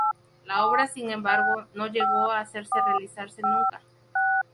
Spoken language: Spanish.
La obra sin embargo, no llegó a hacerse realizarse nunca.